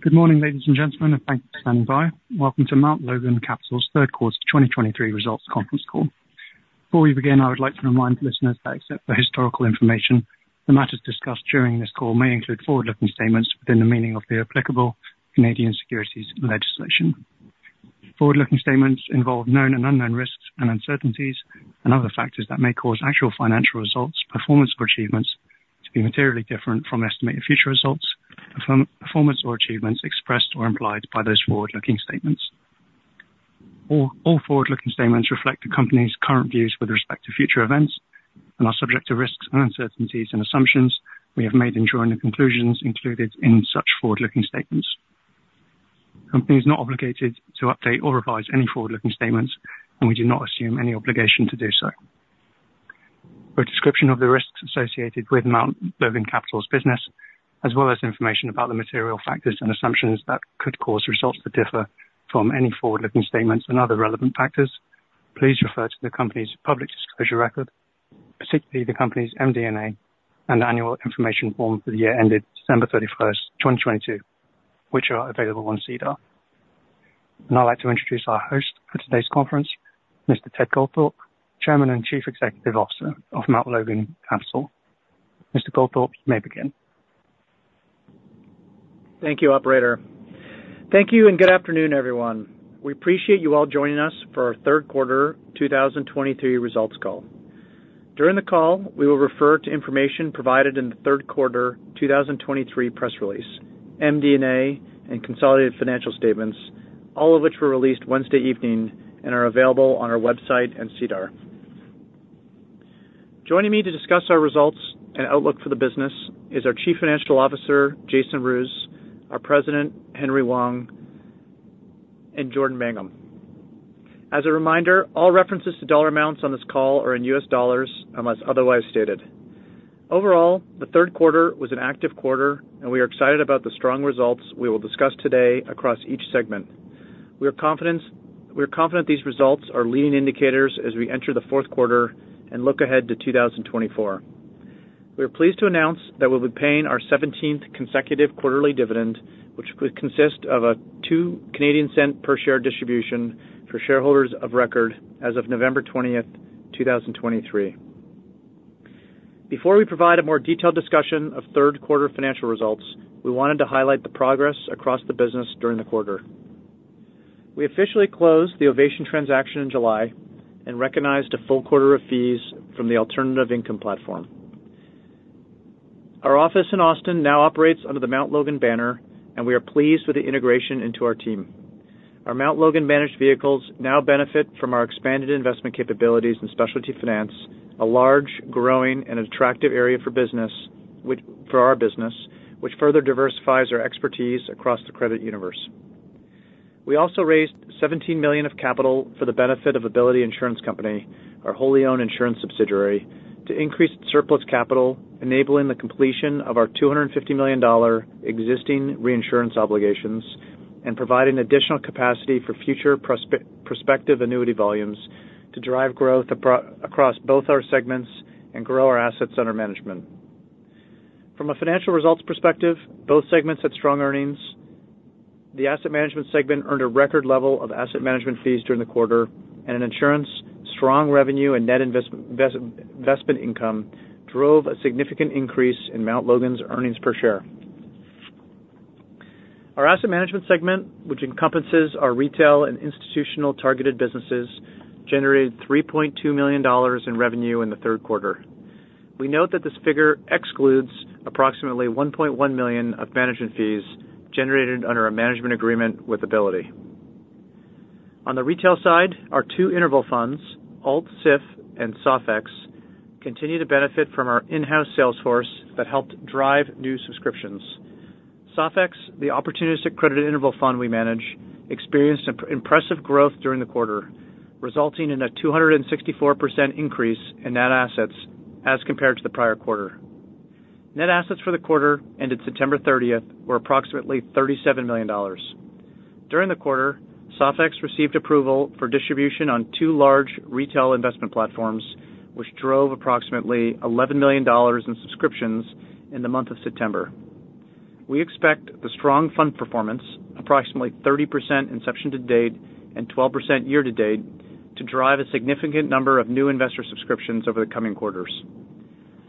Good morning, ladies and gentlemen, and thanks for standing by. Welcome to Mount Logan Capital's Third Quarter 2023 Results Conference Call. Before we begin, I would like to remind listeners that except for historical information, the matters discussed during this call may include forward-looking statements within the meaning of the applicable Canadian securities legislation. Forward-looking statements involve known and unknown risks and uncertainties and other factors that may cause actual financial results, performance, or achievements to be materially different from estimated future results, performance or achievements expressed or implied by those forward-looking statements. All forward-looking statements reflect the company's current views with respect to future events and are subject to risks and uncertainties and assumptions we have made ensuring the conclusions included in such forward-looking statements. The company is not obligated to update or revise any forward-looking statements, and we do not assume any obligation to do so. For a description of the risks associated with Mount Logan Capital's business, as well as information about the material factors and assumptions that could cause results to differ from any forward-looking statements and other relevant factors, please refer to the company's public disclosure record, particularly the company's MD&A and annual information form for the year ended December 31, 2022, which are available on SEDAR. I'd like to introduce our host for today's conference, Mr. Ted Goldthorpe, Chairman and Chief Executive Officer of Mount Logan Capital. Mr. Goldthorpe, you may begin. Thank you, operator. Thank you, and good afternoon, everyone. We appreciate you all joining us for our third quarter 2023 results call. During the call, we will refer to information provided in the third quarter 2023 press release, MD&A, and consolidated financial statements, all of which were released Wednesday evening and are available on our website and SEDAR. Joining me to discuss our results and outlook for the business is our Chief Financial Officer, Jason Roos, our President, Henry Wang, and Jordan Mangham. As a reminder, all references to dollar amounts on this call are in U.S. dollars, unless otherwise stated. Overall, the third quarter was an active quarter, and we are excited about the strong results we will discuss today across each segment. We are confidence... We are confident these results are leading indicators as we enter the fourth quarter and look ahead to 2024. We are pleased to announce that we'll be paying our 17th consecutive quarterly dividend, which would consist of a 0.02 per share distribution for shareholders of record as of November 20, 2023. Before we provide a more detailed discussion of third quarter financial results, we wanted to highlight the progress across the business during the quarter. We officially closed the Ovation transaction in July and recognized a full quarter of fees from the alternative income platform. Our office in Austin now operates under the Mount Logan banner, and we are pleased with the integration into our team. Our Mount Logan managed vehicles now benefit from our expanded investment capabilities in specialty finance, a large, growing and attractive area for business, which—for our business, which further diversifies our expertise across the credit universe. We also raised $17 million of capital for the benefit of Ability Insurance Company, our wholly owned insurance subsidiary, to increase surplus capital, enabling the completion of our $250 million existing reinsurance obligations. And providing additional capacity for future prospective annuity volumes to drive growth across both our segments and grow our assets under management. From a financial results perspective, both segments had strong earnings. The asset management segment earned a record level of asset management fees during the quarter, and in insurance, strong revenue and net investment income drove a significant increase in Mount Logan's earnings per share. Our asset management segment, which encompasses our retail and institutional targeted businesses, generated $3.2 million in revenue in the third quarter. We note that this figure excludes approximately $1.1 million of management fees generated under a management agreement with Ability. On the retail side, our two interval funds, Alt-CIF and SOFIX, continue to benefit from our in-house sales force that helped drive new subscriptions. SOFIX, the opportunistic credit interval fund we manage, experienced impressive growth during the quarter, resulting in a 264% increase in net assets as compared to the prior quarter. Net assets for the quarter ended September thirtieth were approximately $37 million. During the quarter, SOFIX received approval for distribution on two large retail investment platforms, which drove approximately $11 million in subscriptions in the month of September. We expect the strong fund performance, approximately 30% inception to date and 12% year to date, to drive a significant number of new investor subscriptions over the coming quarters.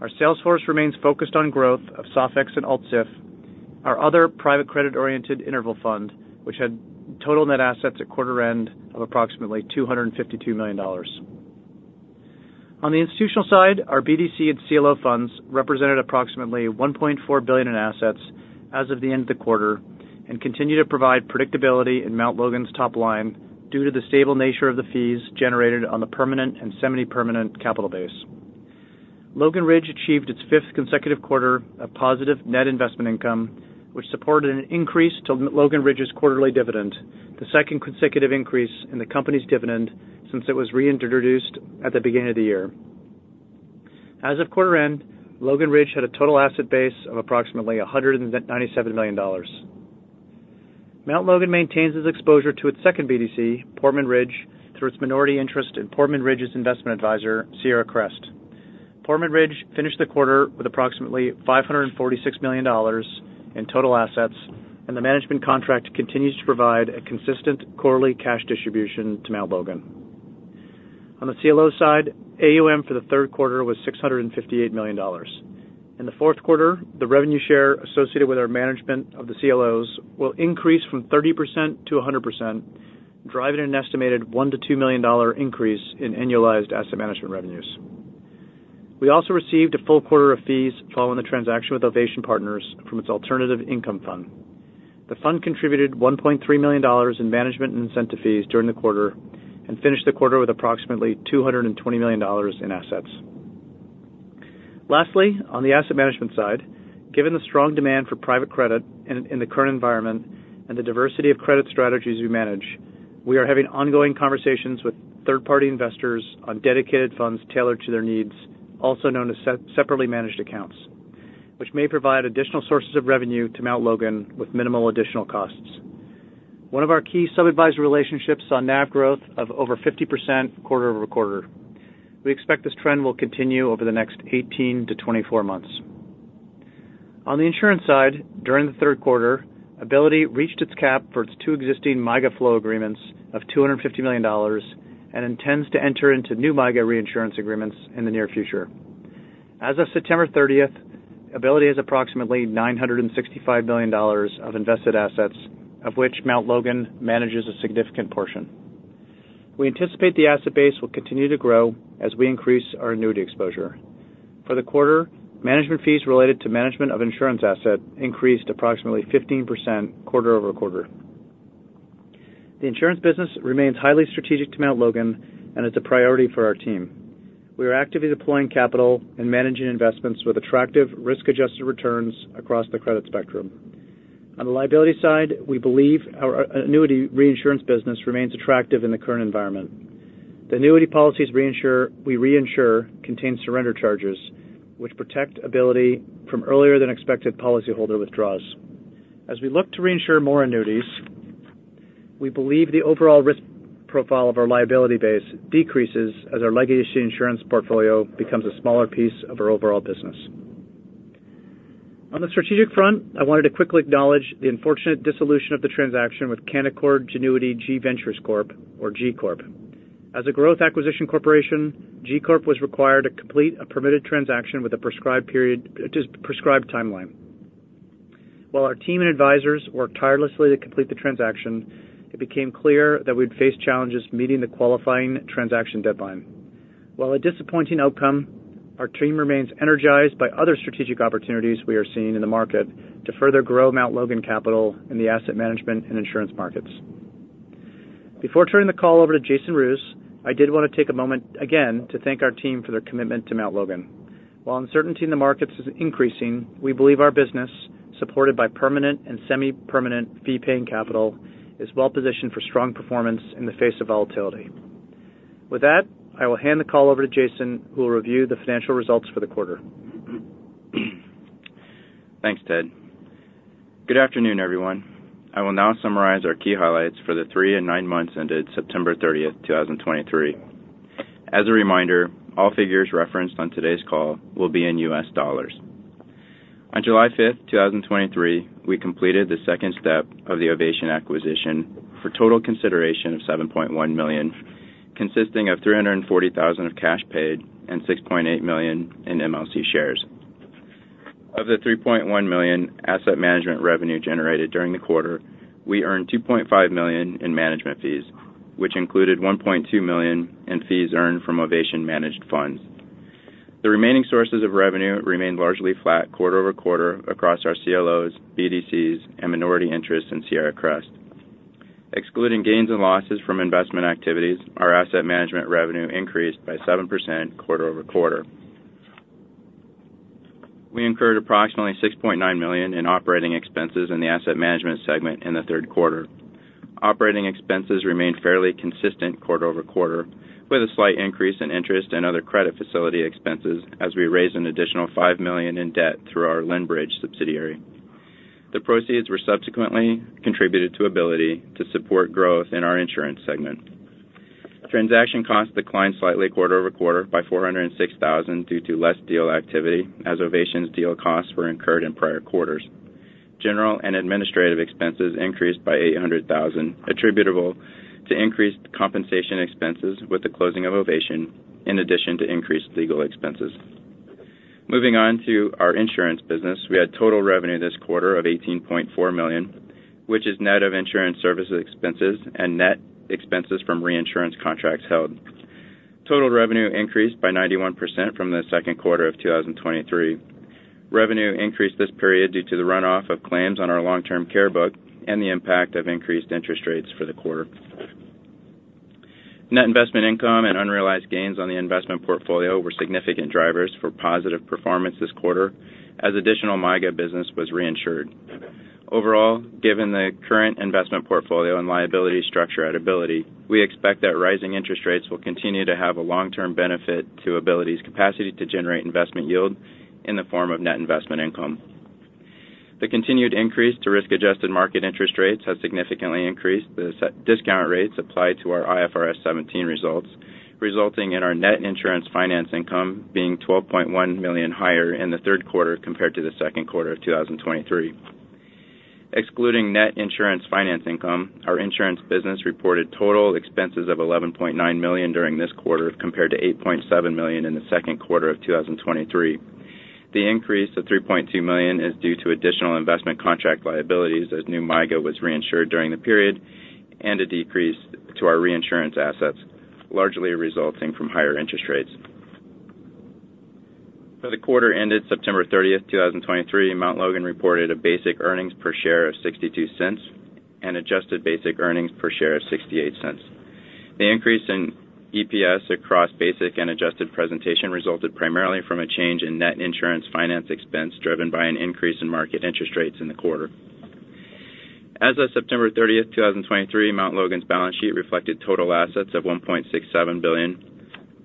Our sales force remains focused on growth of SOFIX and Alt-CIF, our other private credit-oriented interval fund, which had total net assets at quarter end of approximately $252 million. On the institutional side, our BDC and CLO funds represented approximately $1.4 billion in assets as of the end of the quarter, and continue to provide predictability in Mount Logan's top line due to the stable nature of the fees generated on the permanent and semi-permanent capital base. Logan Ridge achieved its fifth consecutive quarter of positive net investment income, which supported an increase to Logan Ridge's quarterly dividend, the second consecutive increase in the company's dividend since it was reintroduced at the beginning of the year. As of quarter end, Logan Ridge had a total asset base of approximately $197 million. Mount Logan maintains its exposure to its second BDC, Portman Ridge, through its minority interest in Portman Ridge's investment advisor, Sierra Crest. Portman Ridge finished the quarter with approximately $546 million in total assets, and the management contract continues to provide a consistent quarterly cash distribution to Mount Logan. On the CLO side, AUM for the third quarter was $658 million. In the fourth quarter, the revenue share associated with our management of the CLOs will increase from 30% to 100%, driving an estimated $1-$2 million increase in annualized asset management revenues. We also received a full quarter of fees following the transaction with Ovation Partners from its alternative income fund. The fund contributed $1.3 million in management and incentive fees during the quarter, and finished the quarter with approximately $220 million in assets. Lastly, on the asset management side, given the strong demand for private credit in the current environment and the diversity of credit strategies we manage, we are having ongoing conversations with third-party investors on dedicated funds tailored to their needs, also known as separately managed accounts, which may provide additional sources of revenue to Mount Logan with minimal additional costs. One of our key sub-advisory relationships saw NAV growth of over 50% quarter-over-quarter. We expect this trend will continue over the next 18-24 months. On the insurance side, during the third quarter, Ability reached its cap for its two existing MYGA flow agreements of $250 million and intends to enter into new MIGC reinsurance agreements in the near future. As of September 30th, Ability has approximately $965 million of invested assets, of which Mount Logan manages a significant portion. We anticipate the asset base will continue to grow as we increase our annuity exposure. For the quarter, management fees related to management of insurance asset increased approximately 15% quarter-over-quarter. The insurance business remains highly strategic to Mount Logan and is a priority for our team. We are actively deploying capital and managing investments with attractive risk-adjusted returns across the credit spectrum. On the liability side, we believe our annuity reinsurance business remains attractive in the current environment. The annuity policies we reinsure contain surrender charges, which protect Ability from earlier than expected policyholder withdrawals. As we look to reinsure more annuities, we believe the overall risk profile of our liability base decreases as our legacy insurance portfolio becomes a smaller piece of our overall business. On the strategic front, I wanted to quickly acknowledge the unfortunate dissolution of the transaction with Canaccord Genuity G Ventures Corp., or G Corp. As a growth acquisition corporation, G Corp was required to complete a permitted transaction with a prescribed period, just prescribed timeline. While our team and advisors worked tirelessly to complete the transaction, it became clear that we'd face challenges meeting the qualifying transaction deadline. While a disappointing outcome, our team remains energized by other strategic opportunities we are seeing in the market to further grow Mount Logan Capital in the asset management and insurance markets. Before turning the call over to Jason Roos, I did want to take a moment again to thank our team for their commitment to Mount Logan. While uncertainty in the markets is increasing, we believe our business, supported by permanent and semi-permanent fee-paying capital, is well positioned for strong performance in the face of volatility. With that, I will hand the call over to Jason, who will review the financial results for the quarter. Thanks, Ted. Good afternoon, everyone. I will now summarize our key highlights for the three and nine months ended September 30, 2023. As a reminder, all figures referenced on today's call will be in U.S. dollars. On July 5, 2023, we completed the second step of the Ovation acquisition for total consideration of $7.1 million, consisting of $340,000 of cash paid and $6.8 million in MLC shares. Of the $3.1 million asset management revenue generated during the quarter, we earned $2.5 million in management fees, which included $1.2 million in fees earned from Ovation managed funds. The remaining sources of revenue remained largely flat quarter-over-quarter across our CLOs, BDCs, and minority interests in Sierra Crest. Excluding gains and losses from investment activities, our asset management revenue increased by 7% quarter-over-quarter. We incurred approximately $6.9 million in operating expenses in the asset management segment in the third quarter. Operating expenses remained fairly consistent quarter-over-quarter, with a slight increase in interest and other credit facility expenses as we raised an additional $5 million in debt through our Lind Bridge subsidiary. The proceeds were subsequently contributed to Ability to support growth in our insurance segment. Transaction costs declined slightly quarter-over-quarter by $406,000 due to less deal activity, as Ovation's deal costs were incurred in prior quarters. General and administrative expenses increased by $800,000, attributable to increased compensation expenses with the closing of Ovation, in addition to increased legal expenses. Moving on to our insurance business, we had total revenue this quarter of $18.4 million, which is net of insurance services expenses and net expenses from reinsurance contracts held. Total revenue increased by 91% from the second quarter of 2023. Revenue increased this period due to the run-off of claims on our long-term care book and the impact of increased interest rates for the quarter. Net investment income and unrealized gains on the investment portfolio were significant drivers for positive performance this quarter, as additional MYGA business was reinsured. Overall, given the current investment portfolio and liability structure at Ability, we expect that rising interest rates will continue to have a long-term benefit to Ability's capacity to generate investment yield in the form of net investment income. The continued increase to risk-adjusted market interest rates has significantly increased the set discount rates applied to our IFRS 17 results, resulting in our net insurance finance income being $12.1 million higher in the third quarter compared to the second quarter of 2023. Excluding net insurance finance income, our insurance business reported total expenses of $11.9 million during this quarter, compared to $8.7 million in the second quarter of 2023. The increase of $3.2 million is due to additional investment contract liabilities, as new MYGA was reinsured during the period, and a decrease to our reinsurance assets, largely resulting from higher interest rates. For the quarter ended September thirtieth, two thousand and twenty-three, Mount Logan reported a basic earnings per share of $0.62 and adjusted basic earnings per share of $0.68. The increase in EPS across basic and adjusted presentation resulted primarily from a change in net insurance finance expense, driven by an increase in market interest rates in the quarter. As of September thirtieth, two thousand and twenty-three, Mount Logan's balance sheet reflected total assets of $1.67 billion,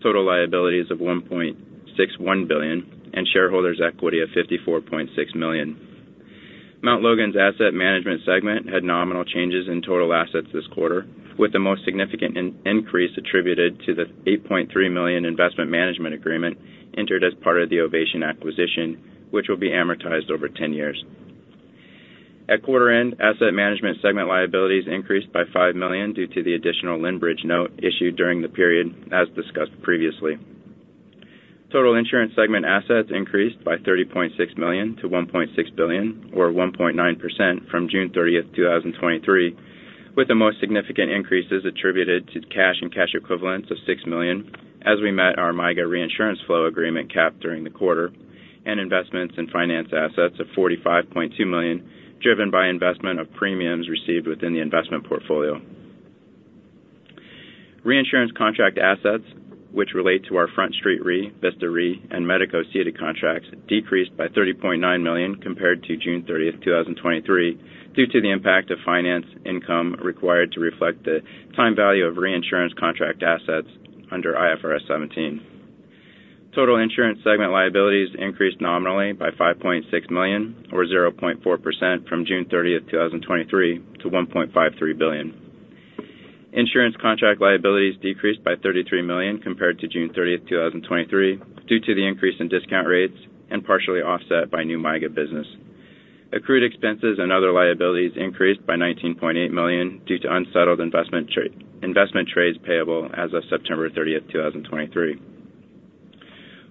total liabilities of $1.61 billion, and shareholders' equity of $54.6 million. Mount Logan's asset management segment had nominal changes in total assets this quarter, with the most significant increase attributed to the $8.3 million investment management agreement entered as part of the Ovation acquisition, which will be amortized over ten years. At quarter end, asset management segment liabilities increased by $5 million due to the additional Lind Bridge note issued during the period, as discussed previously. Total insurance segment assets increased by $30.6 million to $1.6 billion, or 1.9% from June 30, 2023, with the most significant increases attributed to cash and cash equivalents of $6 million as we met our MYGA reinsurance flow agreement cap during the quarter, and investments in finance assets of $45.2 million, driven by investment of premiums received within the investment portfolio. Reinsurance contract assets, which relate to our Front Street Re, Vista Re, and Medico ceded contracts, decreased by $30.9 million compared to June 30, 2023, due to the impact of finance income required to reflect the time value of reinsurance contract assets under IFRS 17. Total insurance segment liabilities increased nominally by $5.6 million, or 0.4% from June 30, 2023, to $1.53 billion. Insurance contract liabilities decreased by $33 million compared to June 30, 2023, due to the increase in discount rates and partially offset by new MYGA business. Accrued expenses and other liabilities increased by $19.8 million due to unsettled investment trades payable as of September 30, 2023.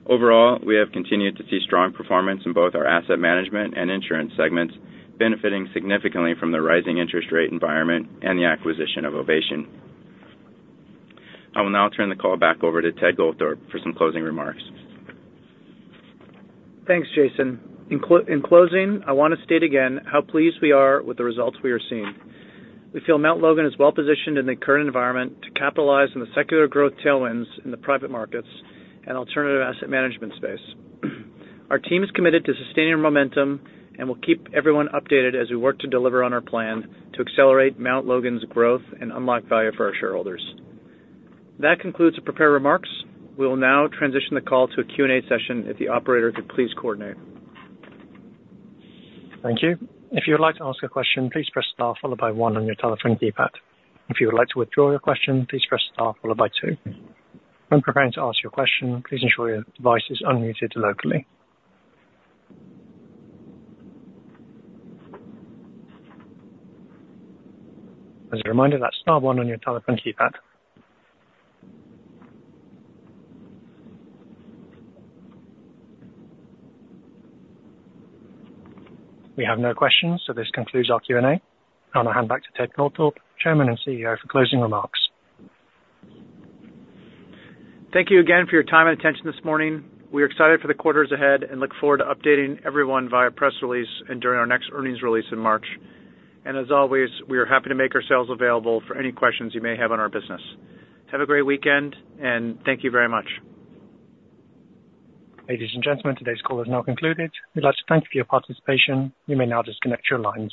Overall, we have continued to see strong performance in both our asset management and insurance segments, benefiting significantly from the rising interest rate environment and the acquisition of Ovation. I will now turn the call back over to Ted Goldthorpe for some closing remarks. Thanks, Jason. In closing, I want to state again how pleased we are with the results we are seeing. We feel Mount Logan is well positioned in the current environment to capitalize on the secular growth tailwinds in the private markets and alternative asset management space. Our team is committed to sustaining momentum, and we'll keep everyone updated as we work to deliver on our plan to accelerate Mount Logan's growth and unlock value for our shareholders. That concludes the prepared remarks. We will now transition the call to a Q&A session, if the operator could please coordinate. Thank you. If you would like to ask a question, please press star followed by one on your telephone keypad. If you would like to withdraw your question, please press star followed by two. When preparing to ask your question, please ensure your device is unmuted locally. As a reminder, that's star one on your telephone keypad. We have no questions, so this concludes our Q&A. I'm going to hand back to Ted Goldthorpe, Chairman and CEO, for closing remarks. Thank you again for your time and attention this morning. We are excited for the quarters ahead and look forward to updating everyone via press release and during our next earnings release in March. As always, we are happy to make ourselves available for any questions you may have on our business. Have a great weekend, and thank you very much. Ladies and gentlemen, today's call is now concluded. We'd like to thank you for your participation. You may now disconnect your lines.